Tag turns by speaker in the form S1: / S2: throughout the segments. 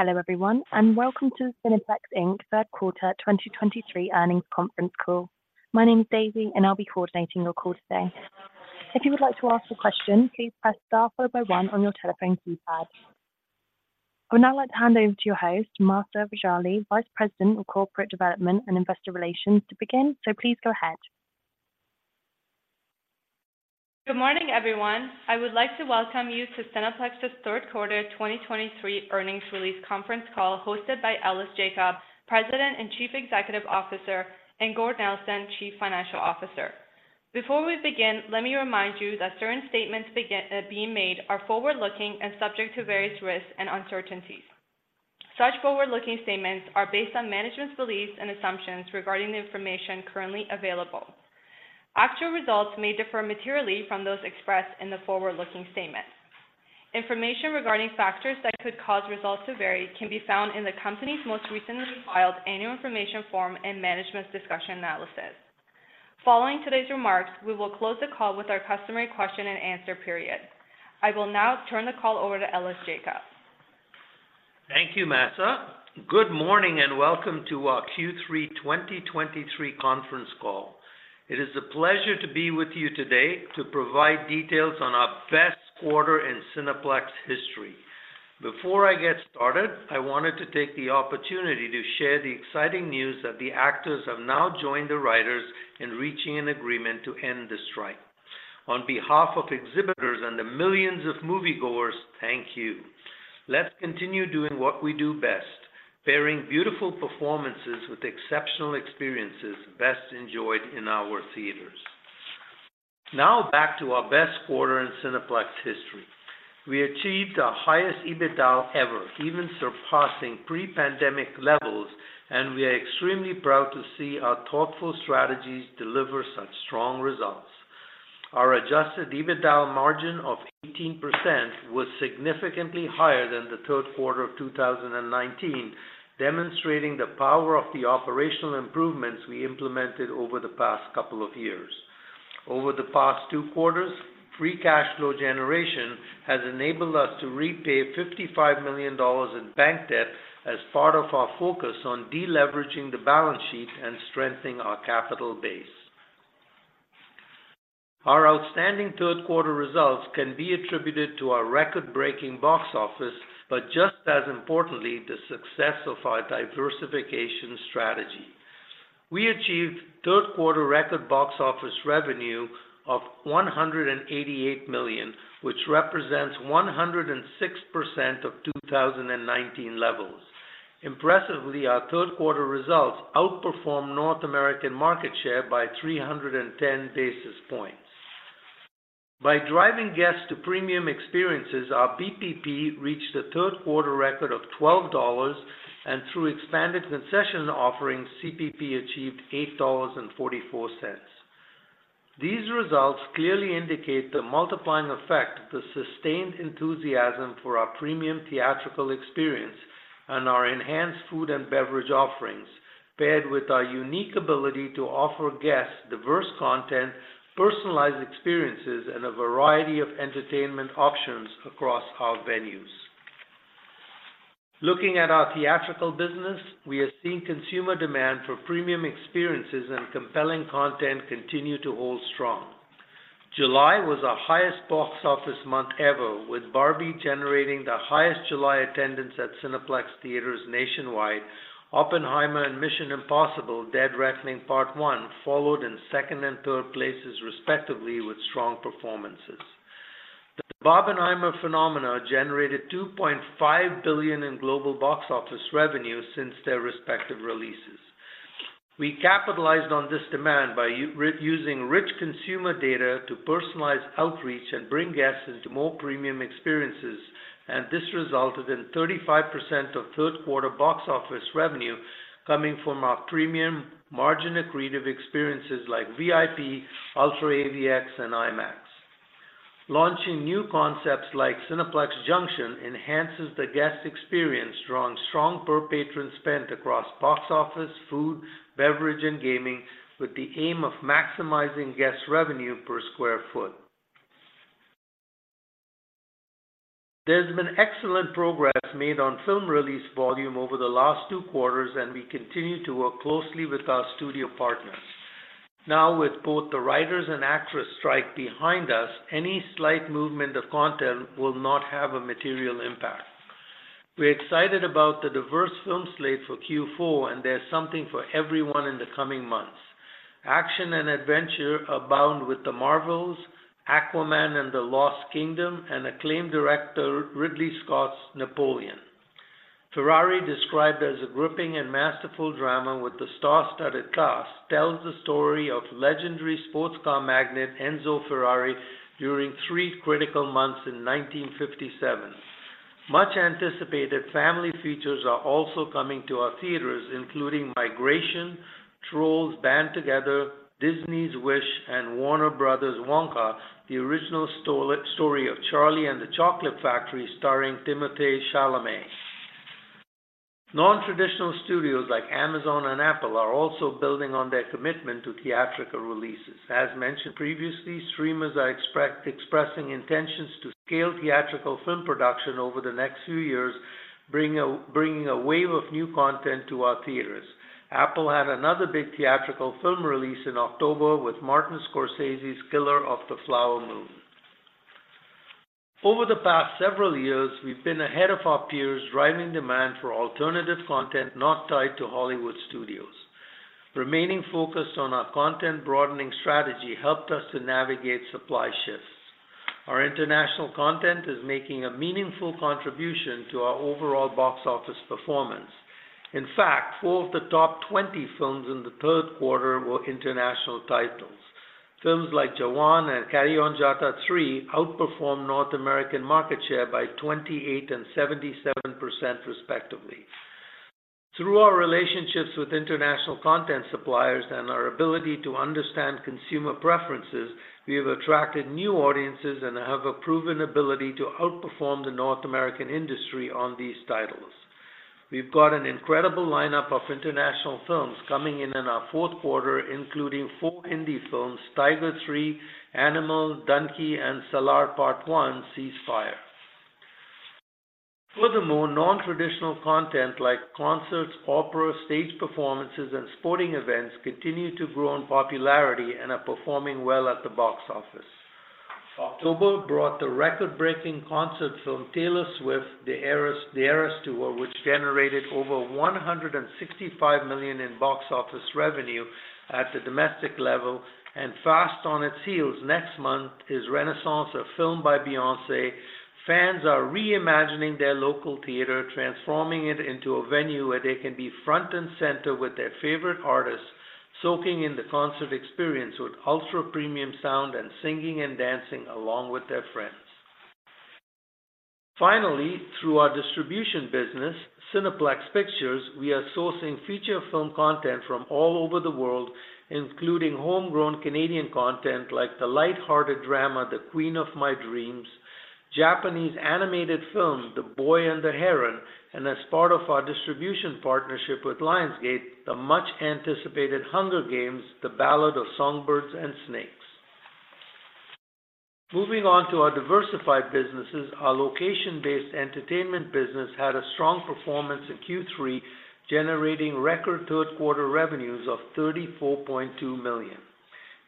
S1: Hello, everyone, and welcome to the Cineplex Inc. Third Quarter 2023 earnings conference Call. My name is Daisy, and I'll be coordinating your call today. If you would like to ask a question, please press star followed by one on your telephone keypad. I would now like to hand over to your host, Mahsa Rejali, Vice President of Corporate Development and Investor Relations, to begin. So please go ahead.
S2: Good morning, everyone. I would like to welcome you to Cineplex's Third Quarter 2023 earnings release conference call, hosted by Ellis Jacob, President and Chief Executive Officer, and Gord Nelson, Chief Financial Officer. Before we begin, let me remind you that certain statements being made are forward-looking and subject to various risks and uncertainties. Such forward-looking statements are based on management's beliefs and assumptions regarding the information currently available. Actual results may differ materially from those expressed in the forward-looking statement. Information regarding factors that could cause results to vary can be found in the company's most recently filed annual information form and management's discussion analysis. Following today's remarks, we will close the call with our customary question-and-answer period. I will now turn the call over to Ellis Jacob.
S3: Thank you, Mahsa. Good morning and welcome to our Q3 2023 conference call. It is a pleasure to be with you today to provide details on our best quarter in Cineplex history. Before I get started, I wanted to take the opportunity to share the exciting news that the actors have now joined the writers in reaching an agreement to end the strike. On behalf of exhibitors and the millions of moviegoers, thank you. Let's continue doing what we do best, pairing beautiful performances with exceptional experiences best enjoyed in our theaters. Now, back to our best quarter in Cineplex history. We achieved our highest EBITDA ever, even surpassing pre-pandemic levels, and we are extremely proud to see our thoughtful strategies deliver such strong results. Our adjusted EBITDA margin of 18% was significantly higher than the third quarter of 2019, demonstrating the power of the operational improvements we implemented over the past couple of years. Over the past two quarters, free cash flow generation has enabled us to repay $55 million in bank debt as part of our focus on deleveraging the balance sheet and strengthening our capital base. Our outstanding third quarter results can be attributed to our record-breaking box office, but just as importantly, the success of our diversification strategy. We achieved third quarter record box office revenue of $188 million, which represents 106% of 2019 levels. Impressively, our third quarter results outperformed North American market share by 310 basis points. By driving guests to premium experiences, our BPP reached a third quarter record of $12, and through expanded concession offerings, CPP achieved $8.44. These results clearly indicate the multiplying effect, the sustained enthusiasm for our premium theatrical experience, and our enhanced food and beverage offerings, paired with our unique ability to offer guests diverse content, personalized experiences, and a variety of entertainment options across our venues. Looking at our theatrical business, we are seeing consumer demand for premium experiences and compelling content continue to hold strong. July was our highest box office month ever, with Barbie generating the highest July attendance at Cineplex Theatres nationwide. Oppenheimer and Mission Impossible: Dead Reckoning Part One followed in second and third places, respectively, with strong performances. The Barbenheimer phenomenon generated $2.5 billion in global box office revenue since their respective releases. We capitalized on this demand by using rich consumer data to personalize outreach and bring guests into more premium experiences, and this resulted in 35% of third quarter box office revenue coming from our premium margin accretive experiences like VIP, UltraAVX, and IMAX. Launching new concepts like Cineplex Junxion enhances the guest experience, drawing strong per patron spend across box office, food, beverage, and gaming, with the aim of maximizing guest revenue per square foot. There's been excellent progress made on film release volume over the last two quarters, and we continue to work closely with our studio partners. Now, with both the writers and actors strike behind us, any slight movement of content will not have a material impact. We're excited about the diverse film slate for Q4, and there's something for everyone in the coming months. Action and adventure abound with The Marvels, Aquaman and the Lost Kingdom, and acclaimed director Ridley Scott's Napoleon. Ferrari, described as a gripping and masterful drama with a star-studded cast, tells the story of legendary sports car magnate Enzo Ferrari during three critical months in 1957. Much-anticipated family features are also coming to our theaters, including Migration, Trolls Band Together, Disney's Wish, and Warner Bros.' Wonka, the original story of Charlie and the Chocolate Factory, starring Timothée Chalamet.... Nontraditional studios like Amazon and Apple are also building on their commitment to theatrical releases. As mentioned previously, streamers are expressing intentions to scale theatrical film production over the next few years, bringing a wave of new content to our theaters. Apple had another big theatrical film release in October with Martin Scorsese's Killers of the Flower Moon. Over the past several years, we've been ahead of our peers, driving demand for alternative content not tied to Hollywood studios. Remaining focused on our content broadening strategy helped us to navigate supply shifts. Our international content is making a meaningful contribution to our overall box office performance. In fact, four of the top 20 films in the third quarter were international titles. Films like Jawan and Carry on Jatta three outperformed North American market share by 28% and 77% respectively. Through our relationships with international content suppliers and our ability to understand consumer preferences, we have attracted new audiences and have a proven ability to outperform the North American industry on these titles. We've got an incredible lineup of international films coming in in our fourth quarter, including four Hindi films, Tiger three, Animal, Dunki, and Salaar Part One: Ceasefire. Furthermore, nontraditional content like concerts, opera, stage performances, and sporting events continue to grow in popularity and are performing well at the box office. October brought the record-breaking concert film, Taylor Swift: The Eras Tour, which generated over $165 million in box office revenue at the domestic level, and fast on its heels next month is Renaissance: A Film by Beyoncé. Fans are reimagining their local theater, transforming it into a venue where they can be front and center with their favorite artists, soaking in the concert experience with ultra premium sound and singing and dancing along with their friends. Finally, through our distribution business, Cineplex Pictures, we are sourcing feature film content from all over the world, including homegrown Canadian content like the light-hearted drama, The Queen of My Dreams, Japanese animated film, The Boy and the Heron, and as part of our distribution partnership with Lionsgate, the much-anticipated Hunger Games: The Ballad of Songbirds and Snakes. Moving on to our diversified businesses, our location-based entertainment business had a strong performance in Q3, generating record third quarter revenues of $34.2 million.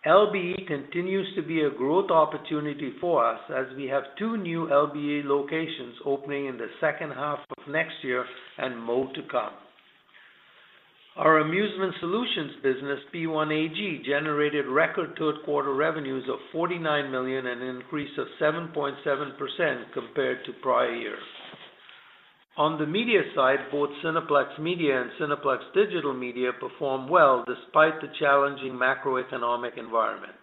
S3: LBE continues to be a growth opportunity for us as we have two new LBE locations opening in the second half of next year and more to come. Our amusement solutions business, P1AG, generated record third quarter revenues of $49 million, an increase of 7.7% compared to prior year. On the media side, both Cineplex Media and Cineplex Digital Media performed well despite the challenging macroeconomic environment.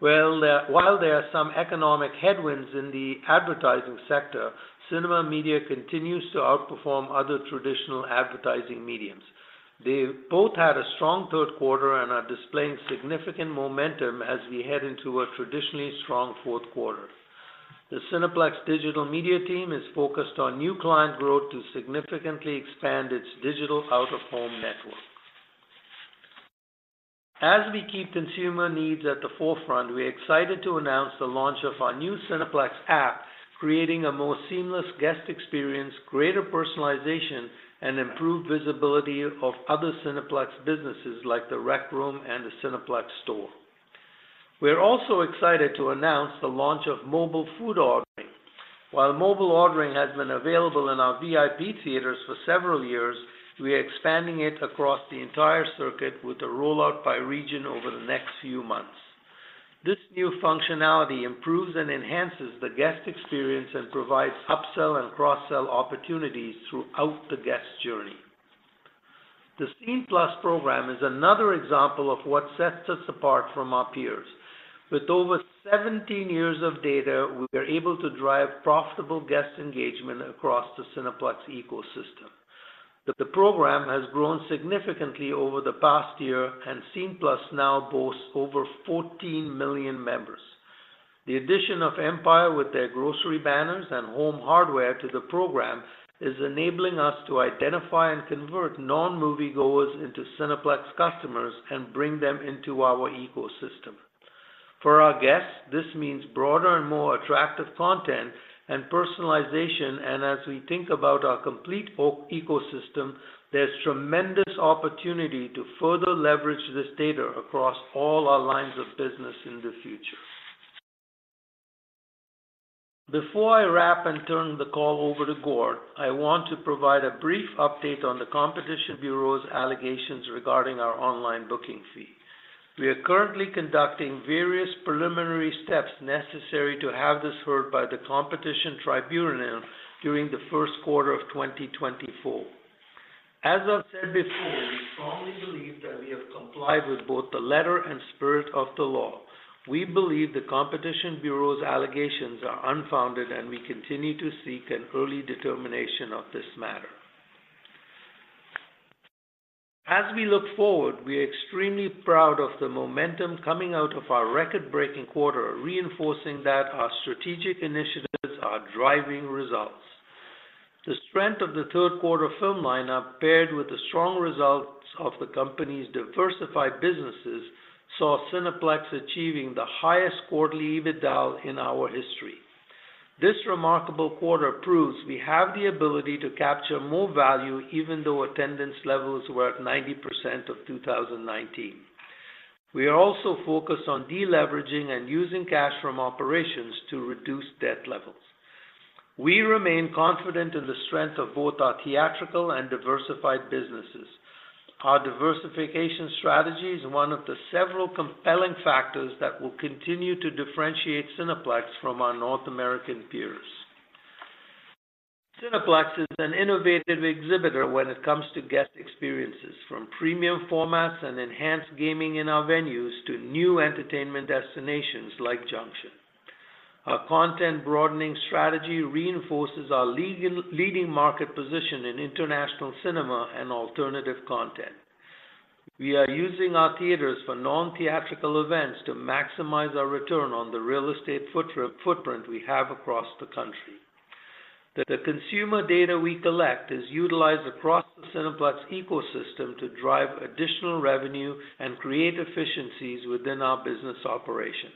S3: Well, while there are some economic headwinds in the advertising sector, cinema media continues to outperform other traditional advertising mediums. They both had a strong third quarter and are displaying significant momentum as we head into a traditionally strong fourth quarter. The Cineplex Digital Media team is focused on new client growth to significantly expand its digital out-of-home network. As we keep consumer needs at the forefront, we're excited to announce the launch of our new Cineplex app, creating a more seamless guest experience, greater personalization, and improved visibility of other Cineplex businesses like The Rec Room and the Cineplex Store. We're also excited to announce the launch of Mobile Food Ordering. While Mobile Ordering has been available in our VIP theaters for several years, we are expanding it across the entire circuit with a rollout by region over the next few months. This new functionality improves and enhances the guest experience and provides upsell and cross-sell opportunities throughout the guest journey. The Scene+ program is another example of what sets us apart from our peers. With over 17 years of data, we are able to drive profitable guest engagement across the Cineplex ecosystem. The program has grown significantly over the past year, and Scene+ now boasts over 14 million members. The addition of Empire with their grocery banners and Home Hardware to the program is enabling us to identify and convert non-moviegoers into Cineplex customers and bring them into our ecosystem. For our guests, this means broader and more attractive content and personalization, and as we think about our complete ecosystem, there's a tremendous opportunity to further leverage this data across all our lines of business in the future. Before I wrap and turn the call over to Gord, I want to provide a brief update on the Competition Bureau's allegations regarding our online booking fee. We are currently conducting various preliminary steps necessary to have this heard by the Competition Tribunal during the first quarter of 2024. As I've said before, we strongly believe that we have complied with both the letter and spirit of the law. We believe the Competition Bureau's allegations are unfounded, and we continue to seek an early determination of this matter. As we look forward, we are extremely proud of the momentum coming out of our record-breaking quarter, reinforcing that our strategic initiatives are driving results. The strength of the third quarter film lineup, paired with the strong results of the company's diversified businesses, saw Cineplex achieving the highest quarterly EBITDA in our history. This remarkable quarter proves we have the ability to capture more value, even though attendance levels were at 90% of 2019. We are also focused on deleveraging and using cash from operations to reduce debt levels. We remain confident in the strength of both our theatrical and diversified businesses. Our diversification strategy is one of the several compelling factors that will continue to differentiate Cineplex from our North American peers. Cineplex is an innovative exhibitor when it comes to guest experiences, from premium formats and enhanced gaming in our venues, to new entertainment destinations like Junxion. Our content broadening strategy reinforces our league-leading market position in international cinema and alternative content. We are using our theaters for non-theatrical events to maximize our return on the real estate footprint we have across the country. The consumer data we collect is utilized across the Cineplex ecosystem to drive additional revenue and create efficiencies within our business operations.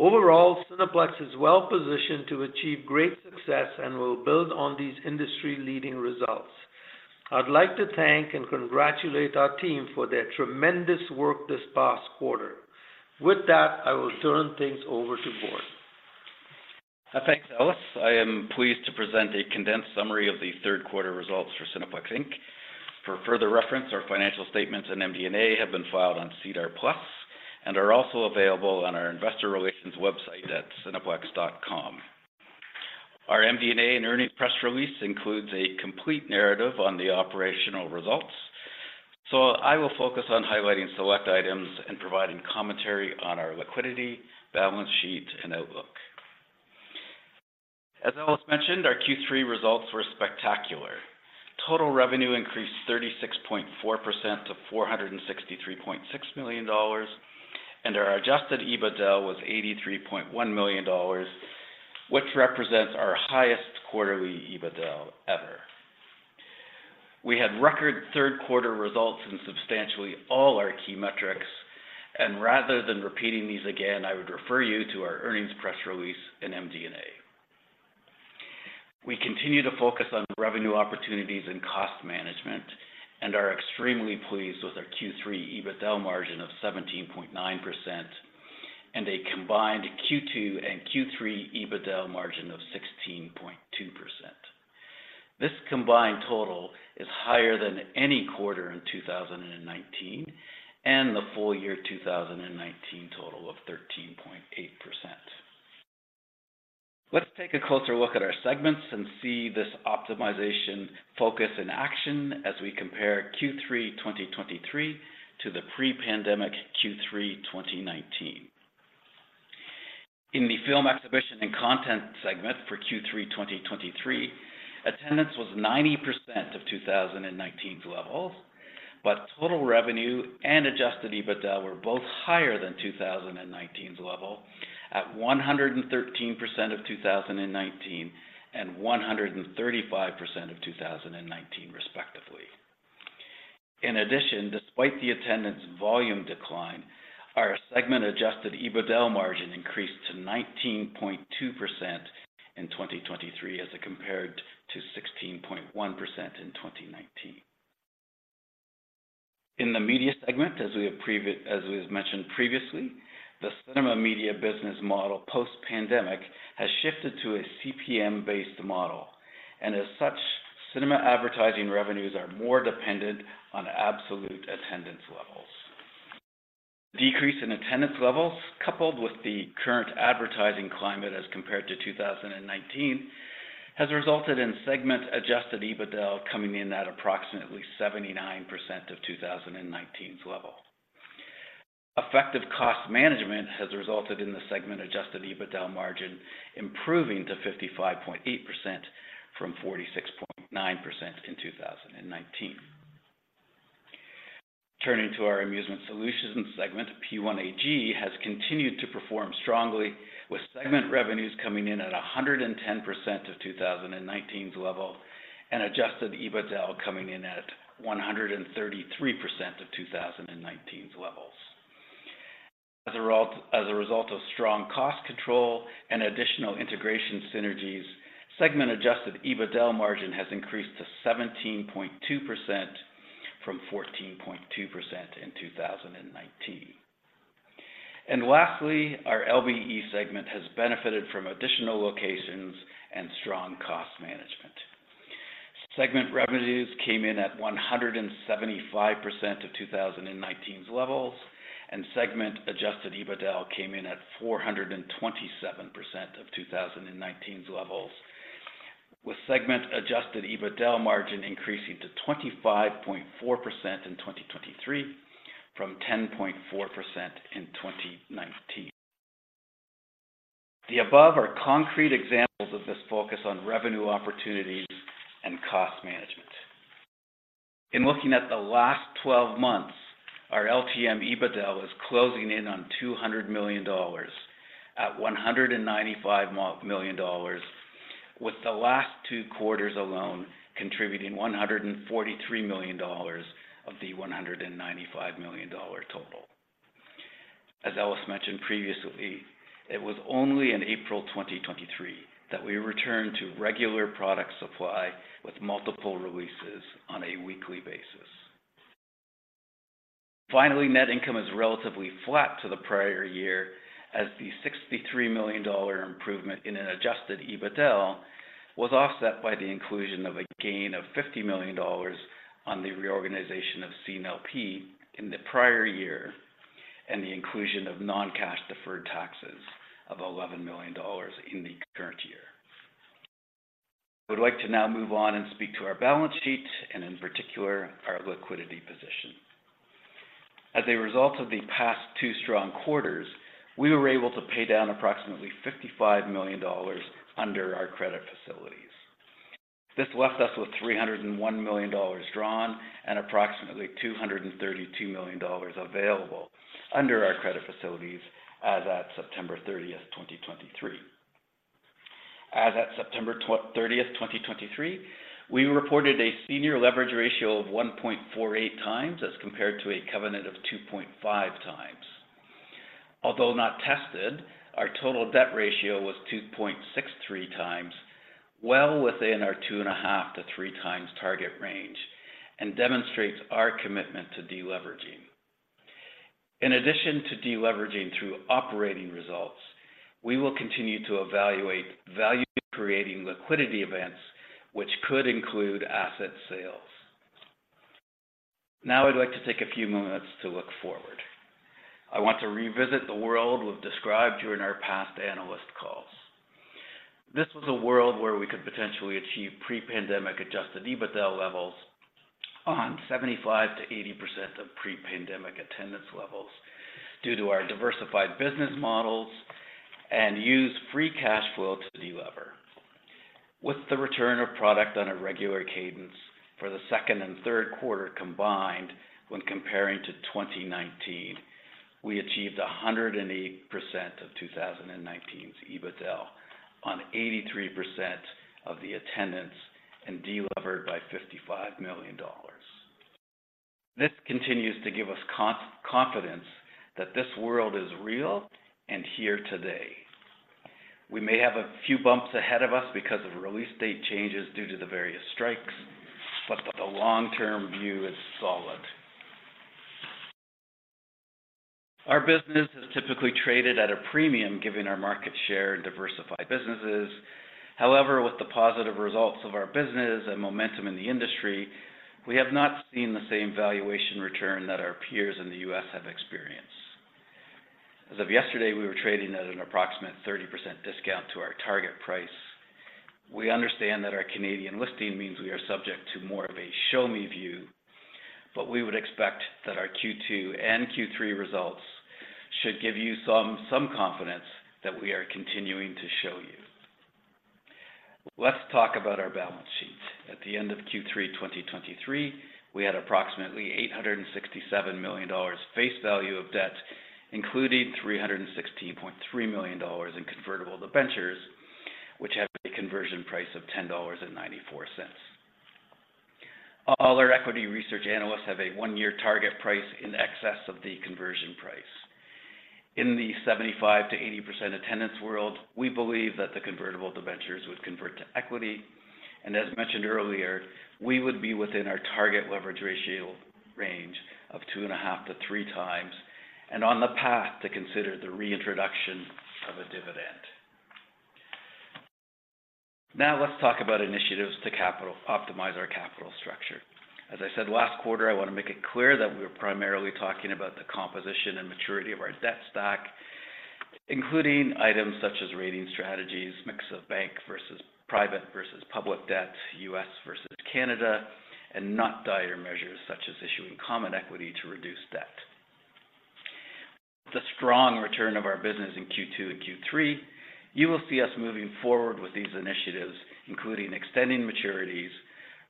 S3: Overall, Cineplex is well-positioned to achieve great success and will build on these industry-leading results. I'd like to thank and congratulate our team for their tremendous work this past quarter. With that, I will turn things over to Gord.
S4: Thanks, Ellis. I am pleased to present a condensed summary of the third quarter results for Cineplex Inc. For further reference, our financial statements and MD&A have been filed on SEDAR+ and are also available on our investor relations website at cineplex.com. Our MD&A and earnings press release includes a complete narrative on the operational results, so I will focus on highlighting select items and providing commentary on our liquidity, balance sheet, and outlook. As Ellis mentioned, our Q3 results were spectacular. Total revenue increased 36.4% to $463.6 million, and our adjusted EBITDA was $83.1 million, which represents our highest quarterly EBITDA ever. We had record third quarter results in substantially all our key metrics, and rather than repeating these again, I would refer you to our earnings press release in MD&A. We continue to focus on revenue opportunities and cost management, and are extremely pleased with our Q3 EBITDA margin of 17.9% and a combined Q2 and Q3 EBITDA margin of 16.2%. This combined total is higher than any quarter in 2019 and the full-year 2019 total of 13.8%. Let's take a closer look at our segments and see this optimization focus in action as we compare Q3 2023 to the pre-pandemic Q3 2019. In the film exhibition and content segment for Q3 2023, attendance was 90% of 2019's levels, but total revenue and adjusted EBITDA were both higher than 2019's levels at 113% of 2019 and 135% of 2019, respectively. In addition, despite the attendance volume decline, our segment adjusted EBITDA margin increased to 19.2% in 2023, as it compared to 16.1% in 2019. In the media segment, as we've mentioned previously, the cinema media business model, post-pandemic, has shifted to a CPM-based model, and as such, cinema advertising revenues are more dependent on absolute attendance levels. Decrease in attendance levels, coupled with the current advertising climate as compared to 2019, has resulted in segment-adjusted EBITDA coming in at approximately 79% of 2019's level. Effective cost management has resulted in the segment-adjusted EBITDA margin improving to 55.8% from 46.9% in 2019. Turning to our amusement solutions segment, P1AG has continued to perform strongly, with segment revenues coming in at 110% of 2019's level, and adjusted EBITDA coming in at 133% of 2019's levels. As a result, as a result of strong cost control and additional integration synergies, segment-adjusted EBITDA margin has increased to 17.2% from 14.2% in 2019. Lastly, our LBE segment has benefited from additional locations and strong cost management. Segment revenues came in at 175% of 2019's levels, and segment-adjusted EBITDA came in at 427% of 2019's levels, with segment-adjusted EBITDA margin increasing to 25.4% in 2023 from 10.4% in 2019. The above are concrete examples of this focus on revenue opportunities and cost management. In looking at the last 12 months, our LTM EBITDA is closing in on $200 million, at $195 million, with the last two quarters alone contributing $143 million of the $195 million total. As Ellis mentioned previously, it was only in April 2023 that we returned to regular product supply with multiple releases on a weekly basis. Finally, net income is relatively flat to the prior year, as the $63 million improvement in an adjusted EBITDA was offset by the inclusion of a gain of $50 million on the reorganization of Scene LP in the prior year, and the inclusion of non-cash deferred taxes of $1 million in the current year. I would like to now move on and speak to our balance sheet and, in particular, our liquidity position. As a result of the past two strong quarters, we were able to pay down approximately $55 million under our credit facilities. This left us with $301 million drawn and approximately $232 million available under our credit facilities as at September 30, 2023. As at September 30, 2023, we reported a senior leverage ratio of 1.48x, as compared to a covenant of 2.5x. Although not tested, our total debt ratio was 2.63x, well within our 2.5x-3x target range, and demonstrates our commitment to deleveraging. In addition to deleveraging through operating results, we will continue to evaluate value-creating liquidity events, which could include asset sales. Now, I'd like to take a few moments to look forward. I want to revisit the world we've described during our past analyst calls. This was a world where we could potentially achieve pre-pandemic adjusted EBITDA levels on 75%-80% of pre-pandemic attendance levels, due to our diversified business models and use free cash flow to delever. With the return of product on a regular cadence for the second and third quarter combined, when comparing to 2019, we achieved 108% of 2019's EBITDA on 83% of the attendance and delevered by $55 million. This continues to give us confidence that this world is real and here today. We may have a few bumps ahead of us because of release date changes due to the various strikes, but the long-term view is solid. Our business is typically traded at a premium, given our market share and diversified businesses. However, with the positive results of our business and momentum in the industry, we have not seen the same valuation return that our peers in the U.S. have experienced. As of yesterday, we were trading at an approximate 30% discount to our target price. We understand that our Canadian listing means we are subject to more of a show me view, but we would expect that our Q2 and Q3 results should give you some confidence that we are continuing to show you. Let's talk about our balance sheet. At the end of Q3 2023, we had approximately $867 million face value of debt, including $316.3 million in convertible debentures, which have a conversion price of $10.94. All our equity research analysts have a one-year target price in excess of the conversion price. In the 75%-80% attendance world, we believe that the convertible debentures would convert to equity. As mentioned earlier, we would be within our target leverage ratio range of 2.5-3x, and on the path to consider the reintroduction of a dividend. Now, let's talk about initiatives to optimize our capital structure. As I said last quarter, I want to make it clear that we're primarily talking about the composition and maturity of our debt stock, including items such as rating strategies, mix of bank versus private versus public debt, U.S. versus Canada, and not dire measures such as issuing common equity to reduce debt. The strong return of our business in Q2 and Q3, you will see us moving forward with these initiatives, including extending maturities,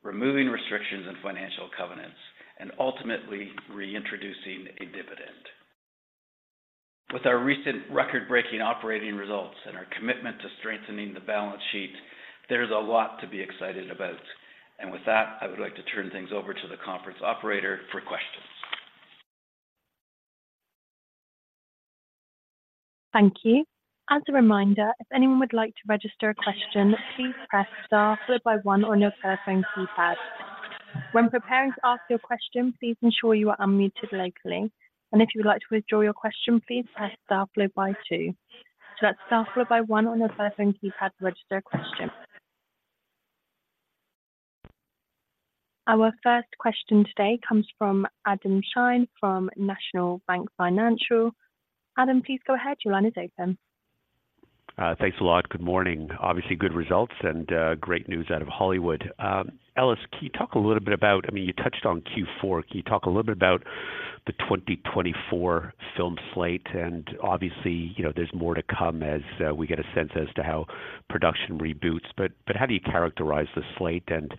S4: removing restrictions and financial covenants, and ultimately reintroducing a dividend. With our recent record-breaking operating results and our commitment to strengthening the balance sheet, there's a lot to be excited about. With that, I would like to turn things over to the conference operator for questions.
S1: Thank you. As a reminder, if anyone would like to register a question, please press star followed by one on your telephone keypad. When preparing to ask your question, please ensure you are unmuted locally. If you would like to withdraw your question, please press star followed by two. That's star, followed by one on your telephone keypad to register a question. Our first question today comes from Adam Shine from National Bank Financial. Adam, please go ahead. Your line is open.
S5: Thanks a lot. Good morning. Obviously, good results and, great news out of Hollywood. Ellis, can you talk a little bit about... I mean, you touched on Q4. Can you talk a little bit about the 2024 film slate? And obviously, you know, there's more to come as we get a sense as to how production reboots. But how do you characterize the slate and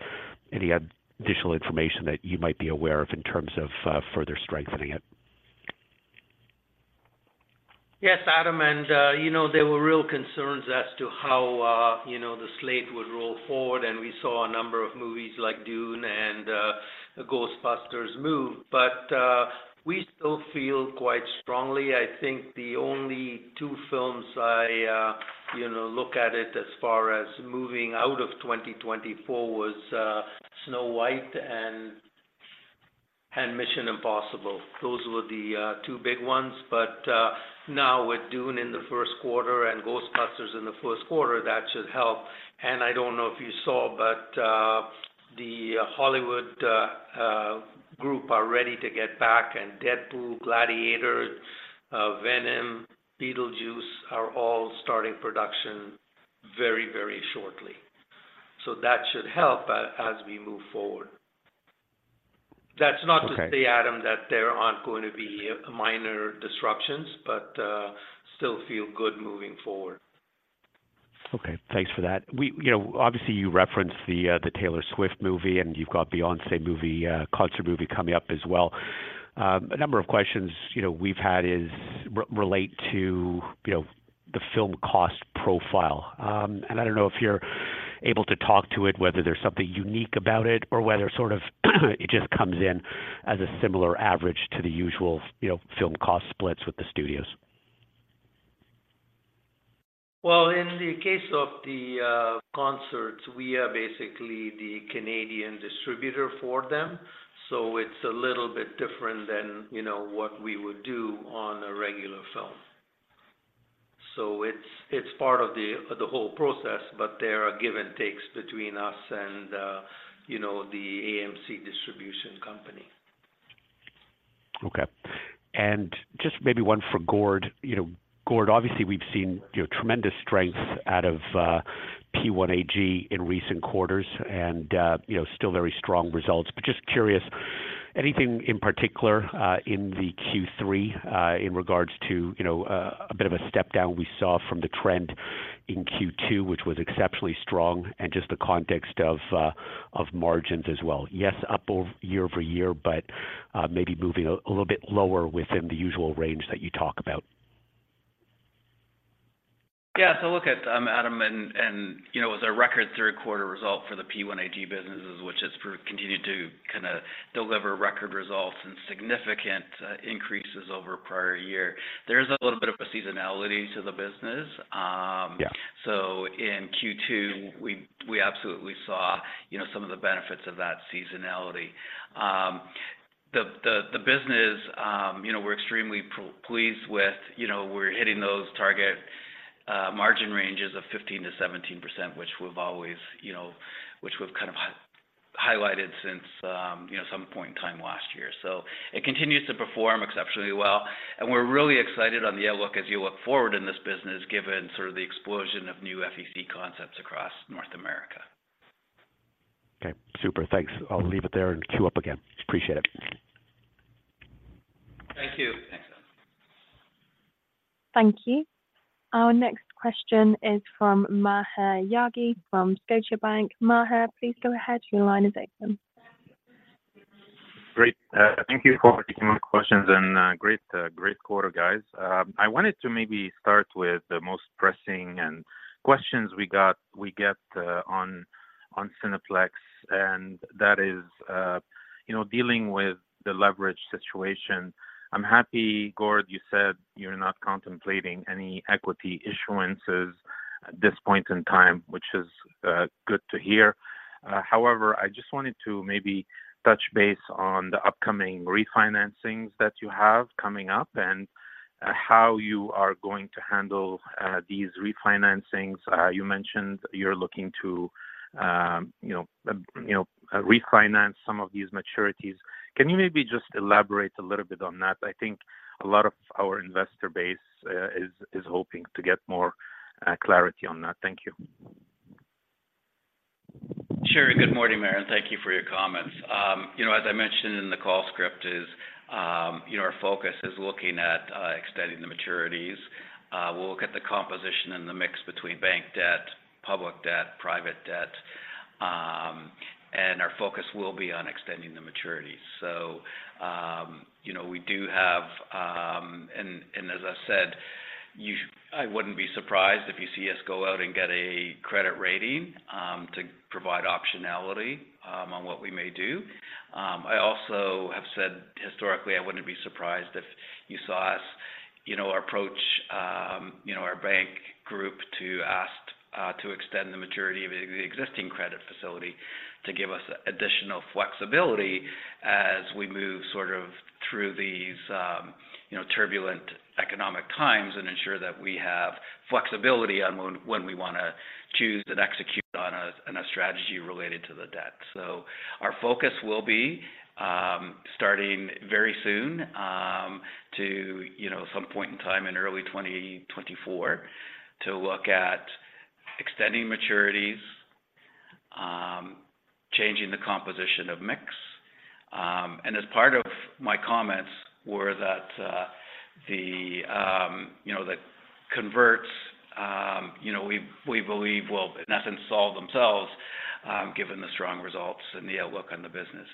S5: any additional information that you might be aware of in terms of further strengthening it?
S3: Yes, Adam, and, you know, there were real concerns as to how, you know, the slate would roll forward, and we saw a number of movies like Dune and, Ghostbusters move. But, we still feel quite strongly. I think the only two films I, you know, look at it as far as moving out of 2024 was, Snow White and, and Mission Impossible. Those were the, two big ones. But, now with Dune in the first quarter and Ghostbusters in the first quarter, that should help. And I don't know if you saw, but, the Hollywood, group are ready to get back, and Deadpool, Gladiator, Venom, Beetlejuice, are all starting production very, very shortly. So that should help as, we move forward.
S5: Okay.
S3: That's not to say, Adam, that there aren't going to be minor disruptions, but, still feel good moving forward.
S5: Okay, thanks for that. You know, obviously, you referenced the Taylor Swift movie, and you've got a Beyoncé movie, concert movie coming up as well. A number of questions, you know, we've had is relate to, you know, the film cost profile. And I don't know if you're able to talk to it, whether there's something unique about it or whether sort of, it just comes in as a similar average to the usual, you know, film cost splits with the studios.
S3: Well, in the case of the concerts, we are basically the Canadian distributor for them, so it's a little bit different than, you know, what we would do on a regular film. So it's part of the whole process, but there are give-and-takes between us and, you know, the AMC distribution company.
S5: Okay. And just maybe one for Gord. You know, Gord, obviously, we've seen, you know, tremendous strength out of P1AG in recent quarters and, you know, still very strong results. But just curious, anything in particular in the Q3 in regards to, you know, a bit of a step down we saw from the trend in Q2, which was exceptionally strong, and just the context of margins as well? Yes, up year-over-year, but maybe moving a little bit lower within the usual range that you talk about.
S4: Yeah. So look at, Adam, and you know, as a record third quarter result for the P1AG businesses, which has continued to kinda deliver record results and significant increases over prior year. There's a little bit of a seasonality to the business.
S5: Yeah.
S4: So in Q2, we absolutely saw, you know, some of the benefits of that seasonality. The business, you know, we're extremely pleased with. You know, we're hitting those target margin ranges of 15%-17%, which we've always, you know, which we've kind of highlighted since, you know, some point in time last year. So it continues to perform exceptionally well, and we're really excited on the outlook as you look forward in this business, given sort of the explosion of new FEC concepts across North America.
S5: Okay, super. Thanks. I'll leave it there and queue up again. Appreciate it.
S3: Thank you.
S4: Thanks, Adam.
S1: Thank you. Our next question is from Maher Yaghi, from Scotiabank. Maher, please go ahead. Your line is open.
S6: Great. Thank you for taking my questions, and great quarter, guys. I wanted to maybe start with the most pressing questions we get on Cineplex, and that is, you know, dealing with the leverage situation. I'm happy, Gord, you said you're not contemplating any equity issuances at this point in time, which is good to hear. However, I just wanted to maybe touch base on the upcoming refinancings that you have coming up and how you are going to handle these refinancings. You mentioned you're looking to, you know, refinance some of these maturities. Can you maybe just elaborate a little bit on that? I think a lot of our investor base is hoping to get more clarity on that. Thank you.
S4: Sure. Good morning, Maher, and thank you for your comments. You know, as I mentioned in the call script is, you know, our focus is looking at extending the maturities. We'll look at the composition and the mix between bank debt, public debt, private debt, and our focus will be on extending the maturities. So, you know, we do have... And as I said, I wouldn't be surprised if you see us go out and get a credit rating to provide optionality on what we may do. I also have said historically, I wouldn't be surprised if you saw us, you know, approach, you know, our bank group to ask, to extend the maturity of the existing credit facility to give us additional flexibility as we move sort of through these, you know, turbulent economic times, and ensure that we have flexibility on when we wanna choose and execute on a strategy related to the debt. So our focus will be, starting very soon, to you know, some point in time in early 2024, to look at extending maturities... changing the composition of mix. And as part of my comments were that, the you know, the converts, you know, we believe will in essence solve themselves, given the strong results and the outlook on the business.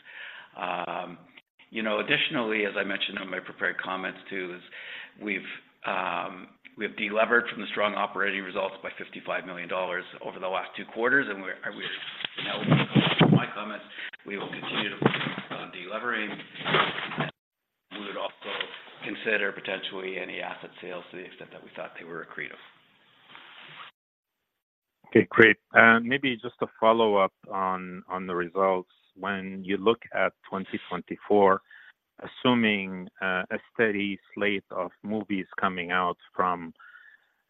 S4: You know, additionally, as I mentioned in my prepared comments, too, is we've we have delevered from the strong operating results by $55 million over the last two quarters, and in my comments, we will continue to delevering. We would also consider potentially any asset sales to the extent that we thought they were accretive.
S6: Okay, great. Maybe just a follow-up on the results. When you look at 2024, assuming a steady slate of movies coming out from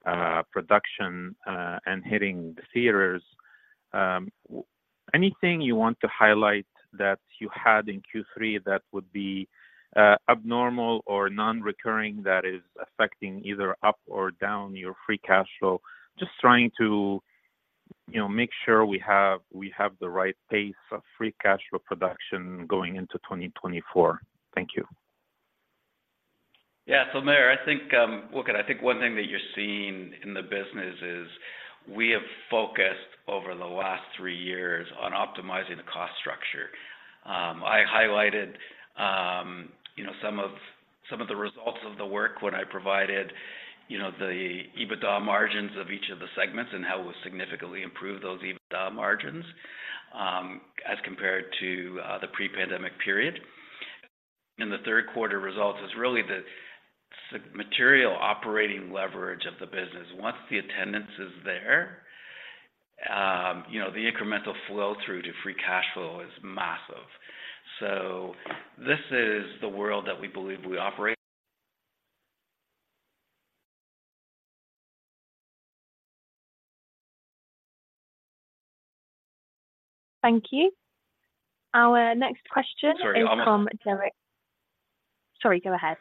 S6: production and hitting the theaters, anything you want to highlight that you had in Q3 that would be abnormal or non-recurring, that is affecting either up or down your free cash flow? Just trying to, you know, make sure we have, we have the right pace of free cash flow production going into 2024. Thank you.
S4: Yeah. So, Maher, I think, look, I think one thing that you're seeing in the business is we have focused over the last three years on optimizing the cost structure. I highlighted, you know, some of, some of the results of the work when I provided, you know, the EBITDA margins of each of the segments and how we significantly improved those EBITDA margins, as compared to, the pre-pandemic period. In the third quarter, results is really the material operating leverage of the business. Once the attendance is there, you know, the incremental flow through to free cash flow is massive. So this is the world that we believe we operate.
S1: Thank you. Our next question-
S4: Sorry, I'm-
S1: Is from Derek. Sorry, go ahead.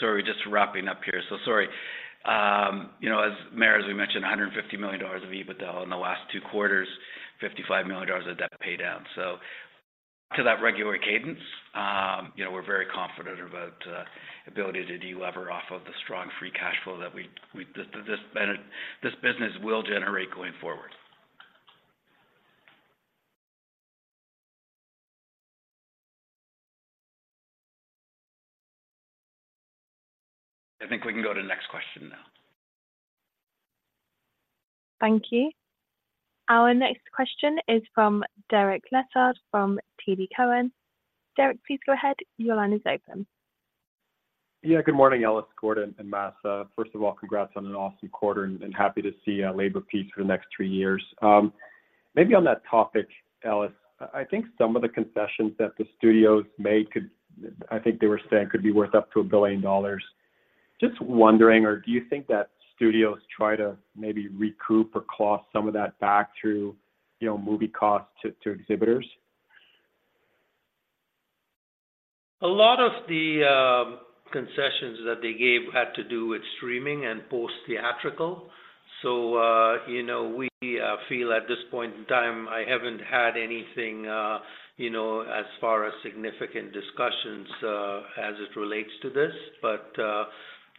S4: Sorry, just wrapping up here. So sorry. You know, as Maher, as we mentioned, $150 million of EBITDA in the last two quarters, $55 million of debt paydown. So to that regular cadence, you know, we're very confident about the ability to delever off of the strong free cash flow that we this business will generate going forward. I think we can go to the next question now.
S1: Thank you. Our next question is from Derek Lessard, from TD Cowen. Derek, please go ahead. Your line is open.
S7: Yeah, good morning, Ellis, Gord, and Mahsa. First of all, congrats on an awesome quarter and happy to see a labor peace for the next three years. Maybe on that topic, Ellis, I think some of the concessions that the studios made could, I think they were saying, could be worth up to $1 billion. Just wondering, or do you think that studios try to maybe recoup or claw some of that back through, you know, movie costs to exhibitors?
S3: A lot of the concessions that they gave had to do with streaming and post-theatrical. So, you know, we feel at this point in time, I haven't had anything, you know, as far as significant discussions, as it relates to this. But,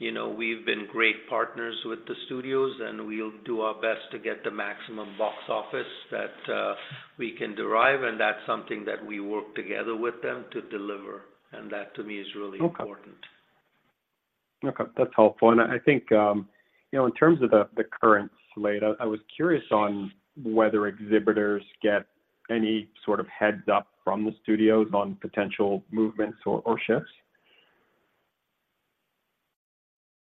S3: you know, we've been great partners with the studios, and we'll do our best to get the maximum box office that we can derive, and that's something that we work together with them to deliver, and that to me, is really important.
S7: Okay. That's helpful. I think, you know, in terms of the current slate, I was curious on whether exhibitors get any sort of heads up from the studios on potential movements or shifts?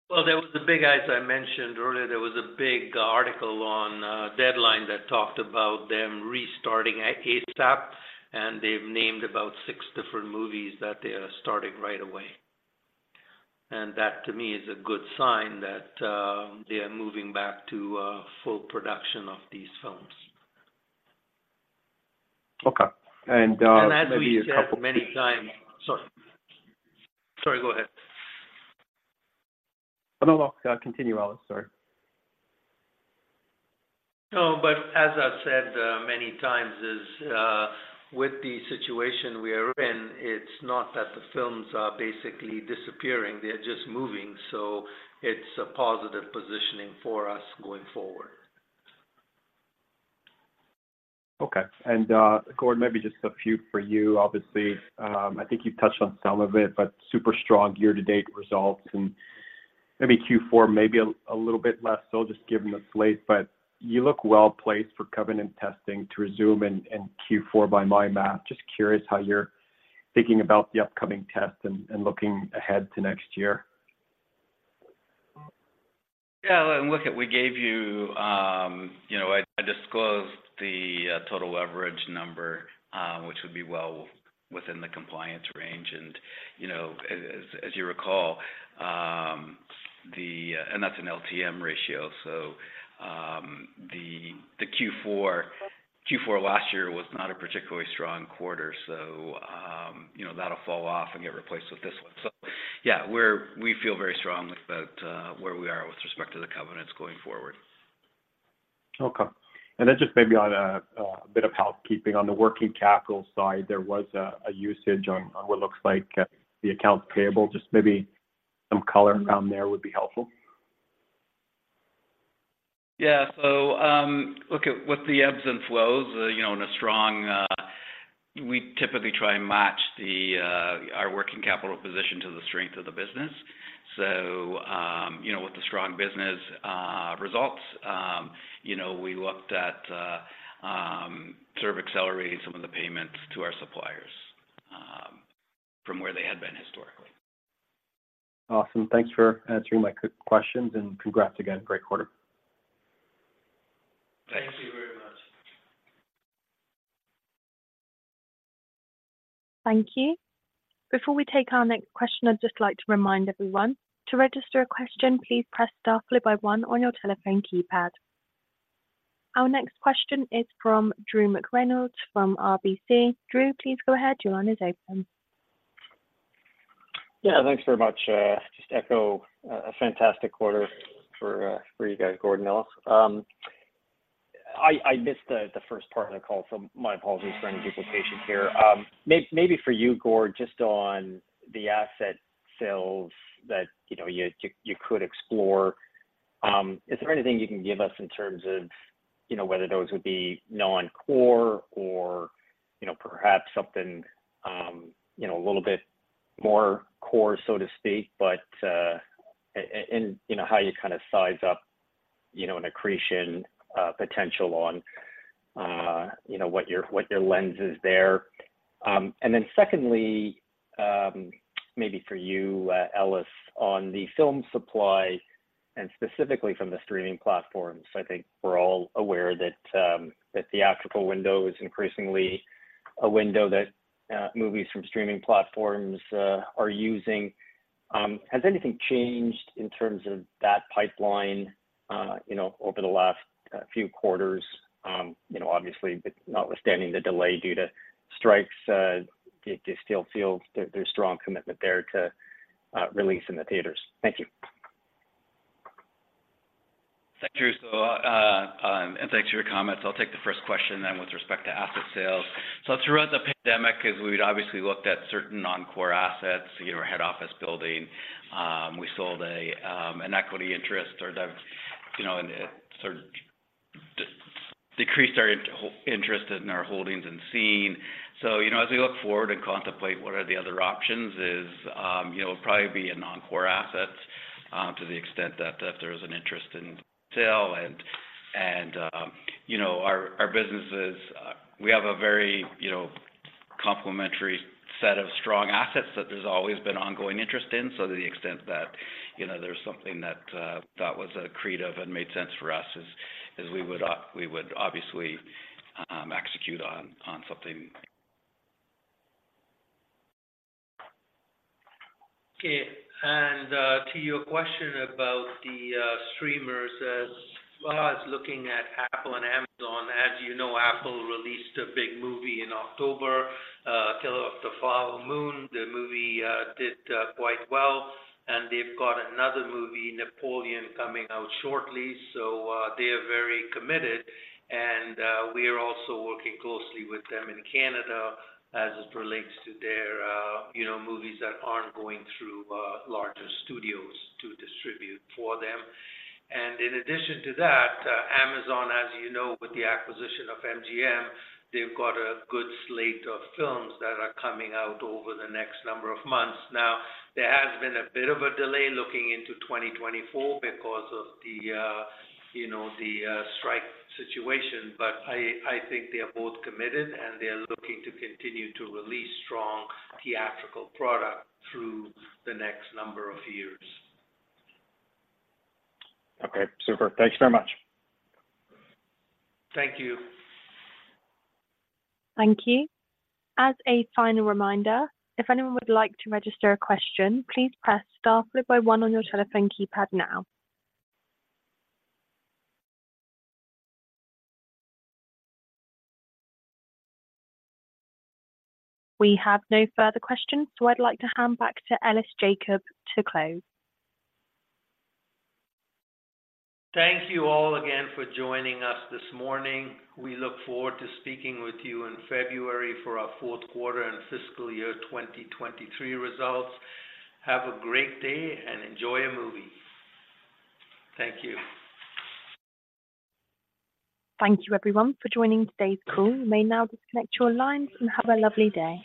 S3: Well, there was a big, as I mentioned earlier, there was a big article on Deadline that talked about them restarting ASAP, and they've named about six different movies that they are starting right away. That, to me, is a good sign that they are moving back to full production of these films.
S7: Okay. And, maybe a couple-
S3: As we said many times... Sorry. Sorry, go ahead.
S7: No, no, continue, Ellis. Sorry.
S3: No, but as I've said, many times is, with the situation we are in, it's not that the films are basically disappearing, they're just moving. So it's a positive positioning for us going forward.
S7: Okay. And, Gord, maybe just a few for you. Obviously, I think you've touched on some of it, but super strong year-to-date results and maybe Q4, maybe a little bit less so just given the slate, but you look well placed for covenant testing to resume in Q4 by my math. Just curious how you're thinking about the upcoming test and looking ahead to next year.
S4: Yeah, look, we gave you, you know, I disclosed the total leverage number, which would be well within the compliance range. And, you know, as you recall, that's an LTM ratio, so the Q4 last year was not a particularly strong quarter, so you know, that'll fall off and get replaced with this one. So yeah, we feel very strong about where we are with respect to the covenants going forward.
S7: Okay. And then just maybe on a bit of housekeeping. On the working capital side, there was a usage on what looks like the accounts payable. Just maybe some color around there would be helpful.
S4: Yeah. So, look at with the ebbs and flows, you know, in a strong, we typically try and match the, our working capital position to the strength of the business. So, you know, with the strong business, results, you know, we looked at, sort of accelerating some of the payments to our suppliers, from where they had been historically.
S7: Awesome. Thanks for answering my questions, and congrats again. Great quarter.
S3: Thank you very much.
S1: Thank you. Before we take our next question, I'd just like to remind everyone, to register a question, please press star followed by one on your telephone keypad. Our next question is from Drew McReynolds from RBC. Drew, please go ahead. Your line is open.
S8: Yeah, thanks very much. Just to echo, a fantastic quarter for you guys, Gord and Ellis. I missed the first part of the call, so my apologies for any duplication here. Maybe for you, Gord, just on the asset sales that you know you could explore. Is there anything you can give us in terms of, you know, whether those would be non-core or, you know, perhaps something, you know, a little bit more core, so to speak, but, and you know, how you kind of size up, you know, an accretion potential on, you know, what your lens is there? And then secondly, maybe for you, Ellis, on the film supply and specifically from the streaming platforms, I think we're all aware that that theatrical window is increasingly a window that movies from streaming platforms are using. Has anything changed in terms of that pipeline, you know, over the last few quarters? You know, obviously, but notwithstanding the delay due to strikes, do you still feel there's strong commitment there to release in the theaters? Thank you.
S4: Thanks, Drew. So, and thanks for your comments. I'll take the first question, then, with respect to asset sales. So throughout the pandemic, as we'd obviously looked at certain non-core assets, you know, our head office building, we sold an equity interest or the, you know, and it sort of decreased our interest in our holdings and Scene. So, you know, as we look forward and contemplate what are the other options is, you know, probably be a non-core asset, to the extent that, that there is an interest in sale. And, you know, our businesses, we have a very, you know, complementary set of strong assets that there's always been ongoing interest in. So to the extent that, you know, there's something that was accretive and made sense for us, we would obviously execute on something.
S3: Okay, and to your question about the streamers, as well as looking at Apple and Amazon. As you know, Apple released a big movie in October, Killers of the Flower Moon. The movie did quite well, and they've got another movie, Napoleon, coming out shortly, so they are very committed, and we are also working closely with them in Canada as it relates to their, you know, movies that aren't going through larger studios to distribute for them. And in addition to that, Amazon, as you know, with the acquisition of MGM, they've got a good slate of films that are coming out over the next number of months. Now, there has been a bit of a delay looking into 2024 because of the, you know, the strike situation, but I think they are both committed, and they are looking to continue to release strong theatrical product through the next number of years.
S8: Okay, super. Thanks very much.
S3: Thank you.
S1: Thank you. As a final reminder, if anyone would like to register a question, please press star followed by one on your telephone keypad now. We have no further questions, so I'd like to hand back to Ellis Jacob to close.
S3: Thank you all again for joining us this morning. We look forward to speaking with you in February for our fourth quarter and fiscal year 2023 results. Have a great day, and enjoy a movie. Thank you.
S1: Thank you, everyone, for joining today's call. You may now disconnect your lines and have a lovely day.